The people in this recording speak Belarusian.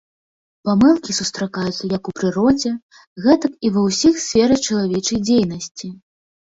Памылкі сустракаюцца як у прыродзе, гэтак і ва ўсіх сферах чалавечай дзейнасці.